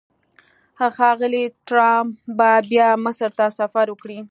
ښاغلی ټرمپ به بیا مصر ته سفر وکړي.